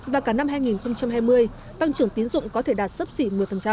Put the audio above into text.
và cả năm hai nghìn hai mươi tăng trưởng tín dụng có thể đạt sấp xỉ một mươi